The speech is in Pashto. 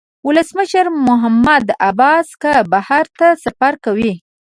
ولسمشر محمود عباس که بهر ته سفر کوي.